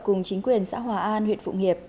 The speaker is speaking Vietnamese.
cùng chính quyền xã hòa an huyện phụng hiệp